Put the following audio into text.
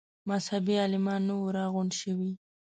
مذهبي عالمان نه وه راغونډ شوي.